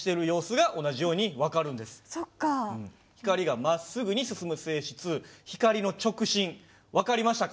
光がまっすぐに進む性質光の直進分かりましたか？